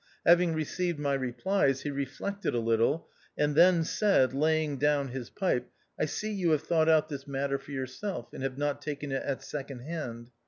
Hav ing received my replies, ne reflected a little, and then said, laying down his pipe, "I see you have thought out this matter for yourself, and have not taken it at second hand.